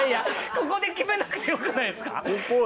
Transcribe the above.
ここで決めなくてよくないですか？